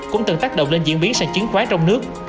cũng từng tác động lên diễn biến sàn chiến khoán trong nước